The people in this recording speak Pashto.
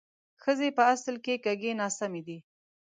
ښځې په اصل کې کږې ناسمې دي